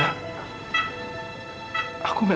aku gak sengaja celakain ayah aku